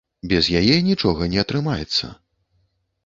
Без яе нічога не атрымаецца.